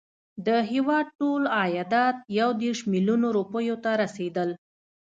د هیواد ټول عایدات یو دېرش میلیونه روپیو ته رسېدل.